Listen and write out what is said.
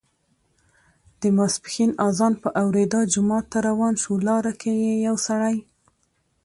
د ماسپښین اذان په اوریدا جومات ته روان شو، لاره کې یې یو سړی